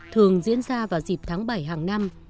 thường diễn ra vào dịp tháng bảy hàng năm